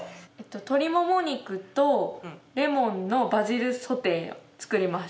鶏モモ肉とレモンのバジルソテーを作ります。